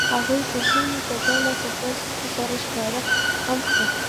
هغوی د ژمنې په بڼه سفر سره ښکاره هم کړه.